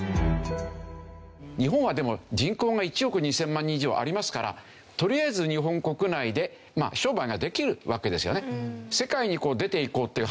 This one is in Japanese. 日本はでも人口が１億２０００万人以上ありますからとりあえず日本国内で商売ができるわけですよね。